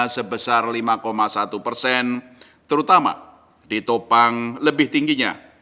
sebesar lima satu persen terutama ditopang lebih tingginya